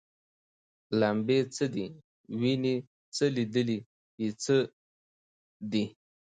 لمبې څه دي ویني څه لیدل یې څه دي